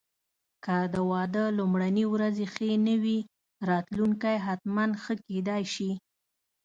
که د واده لومړني ورځې ښې نه وې، راتلونکی حتماً ښه کېدای شي.